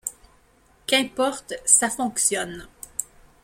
Qu’importe: ça fonctionne.